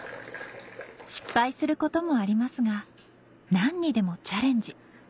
失敗することもありますが何にでもチャレンジ！